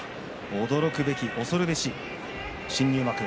驚くべき恐るべし新入幕。